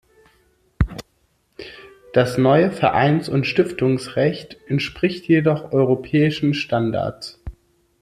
Das neue Vereins- und Stiftungsrecht entspricht jedoch europäischen Standards.